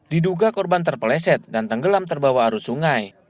diduga korban terpeleset dan tenggelam terbawa arus sungai